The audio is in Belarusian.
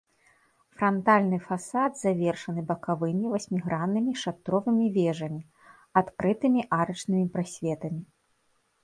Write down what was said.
Франтальны фасад завершаны бакавымі васьміграннымі шатровымі вежамі, адкрытымі арачнымі прасветамі.